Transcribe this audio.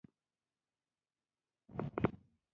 زلمی خان: د خوب په حالت کې بېخي په لوړ غږ غږېدې.